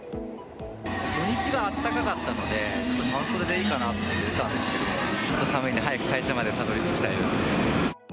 土日があったかかったので、ちょっと半袖でいいかなと思って出たんですけど、寒いので早く会社までたどりつきたいです。